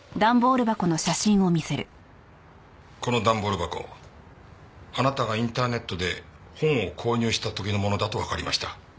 この段ボール箱あなたがインターネットで本を購入した時のものだとわかりました。